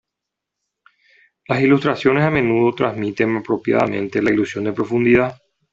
Las ilustraciones a menudo transmiten apropiadamente la ilusión de profundidad.